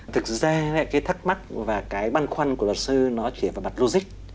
thực ra cái thắc mắc và cái băn khoăn của luật sư nó chỉ là mặt logic